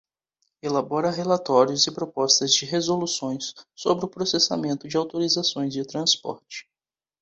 Elabora relatórios e propostas de resoluções sobre o processamento de autorizações de transporte.